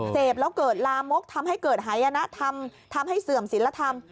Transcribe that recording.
เสพแล้วเกิดลามกทำให้เกิดหายนะธรรมทำให้เสื่อมศิลธรรม